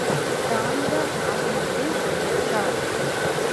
ராணுவ வணக்கத்தை ஏற்றார்.